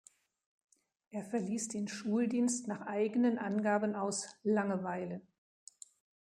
Er verließ den Schuldienst nach eigenen Angaben aus „Langeweile“.